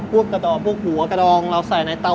พูดกระดอกหัวกระดองเราใส่ในเตาอก